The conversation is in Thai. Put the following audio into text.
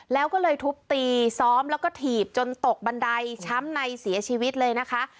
แล้วก็เลยทุบตีซ้อมแล้วก็ถีบจนตกบันไดช้ำในเสียชีวิตเลยนะคะ